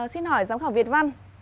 xin hỏi giám khảo việt văn